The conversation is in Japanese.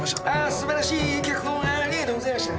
素晴らしい脚本ありがとうございました。